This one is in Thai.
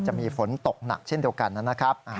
จะมีฝนตกหนักเช่นเดียวกันนะครับ